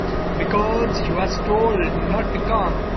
Because he was told not to come.